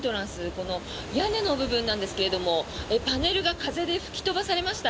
この屋根の部分なんですがパネルが風で吹き飛ばされました。